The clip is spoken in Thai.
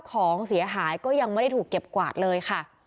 ของเสียหายก็ยังไม่ได้ถูกเก็บกวาดเลยค่ะ